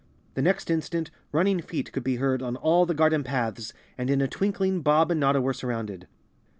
The next instant running feet could be heard on all the garden paths and in a twinkling Bob and Notta were surrounded.